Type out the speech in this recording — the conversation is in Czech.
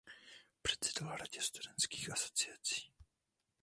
Předsedal radě studentských asociací.